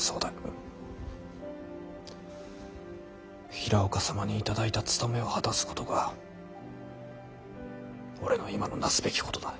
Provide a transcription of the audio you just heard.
平岡様に頂いた務めを果たすことが俺の今のなすべきことだ。